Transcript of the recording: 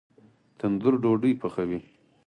تندور ډوډۍ پخوي